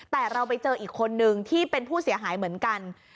แต่เราไปเจออีกคนนึงที่เป็นผู้เสียหายเหมือนกัน